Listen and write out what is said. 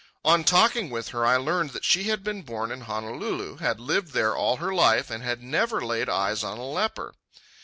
On talking with her I learned that she had been born in Honolulu, had lived there all her life, and had never laid eyes on a leper.